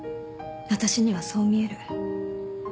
私にはそう見える。